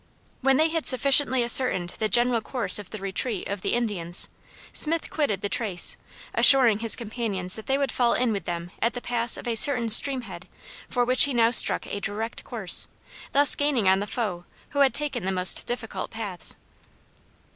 When they had sufficiently ascertained the general course of the retreat of the Indians, Smith quitted the trace, assuring his companions that they would fall in with them at the pass of a certain stream head for which he now struck a direct course, thus gaining on the foe who had taken the most difficult paths.